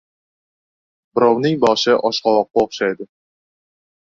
• Birovning boshi oshqovoqqa o‘xshaydi.